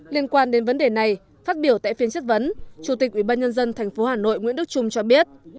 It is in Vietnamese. liên quan đến vấn đề này phát biểu tại phiên chất vấn chủ tịch ủy ban nhân dân thành phố hà nội nguyễn đức trung cho biết